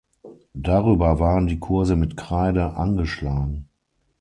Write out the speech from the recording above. Darüber waren die Kurse mit Kreide „angeschlagen“.